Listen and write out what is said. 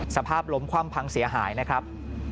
สภาพล้มคว่ำพังเสียหายนะครับ